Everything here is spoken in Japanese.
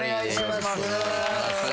お願いします。